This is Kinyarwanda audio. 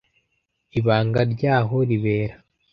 Ibanga ryaho ribera